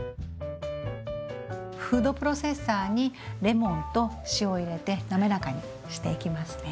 フードプロセッサーにレモンと塩を入れて滑らかにしていきますね。